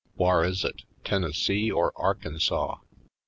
Whar is it — Tennessee or Arkansaw?"